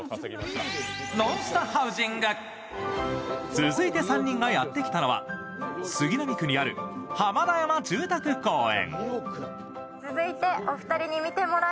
続いて３人がやってきたのは杉並区にある浜田山住宅公園。